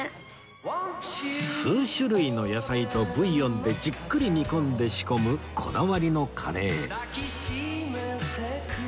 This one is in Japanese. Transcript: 数種類の野菜とブイヨンでじっくり煮込んで仕込むこだわりのカレー